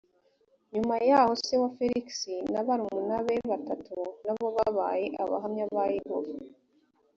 nyuma yaho se wa felix na barumuna be batatu na bo babaye abahamya ba yehova